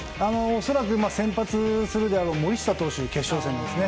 恐らく先発するであろう森下投手ですね。